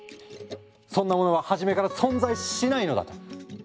そんなものは初めから存在しないのだと。